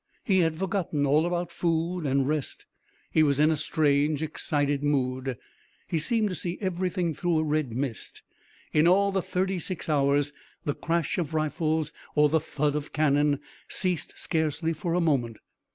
He had forgotten all about food and rest. He was in a strange, excited mood. He seemed to see everything through a red mist. In all the thirty six hours the crash of rifles or the thud of cannon ceased scarcely for a moment.